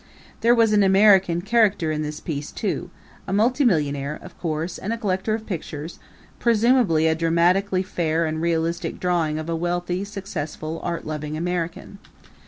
There was an American character in this piece too a multimillionaire, of course, and a collector of pictures presumably a dramatically fair and realistic drawing of a wealthy, successful, art loving American.